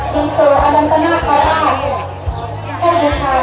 ที่ตัวอาลังกณะของอาหาร